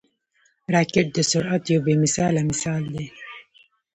راکټ د سرعت یو بې مثاله مثال دی